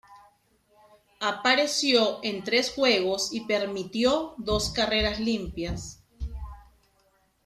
Apareció en tres juegos y permitió dos carreras limpias.